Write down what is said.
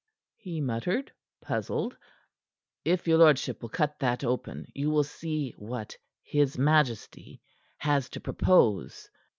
he muttered, puzzled. "If your lordship will cut that open, you will see what his majesty has to propose."